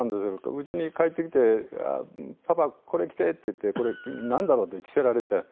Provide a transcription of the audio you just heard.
うちに帰ってきて「パパこれ着て」って言ってこれなんだろう？って着せられて。